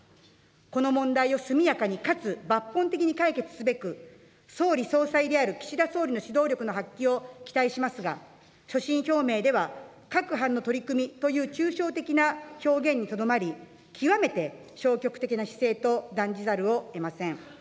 この問題を速やかにかつ抜本的に解決すべく総理・総裁である岸田総理の指導力の発揮を期待しますが、所信表明では、各般の取り組みという抽象的な表現にとどまり、極めて消極的な姿勢と断じざるをえません。